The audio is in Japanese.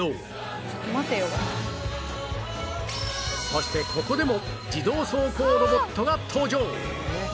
そしてここでも自動走行ロボットが登場